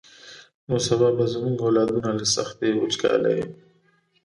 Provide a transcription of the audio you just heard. نو سبا به زمونږ اولادونه له سختې وچکالۍ.